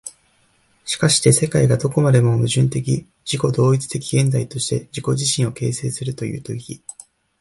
しかして世界がどこまでも矛盾的自己同一的現在として自己自身を形成するという時、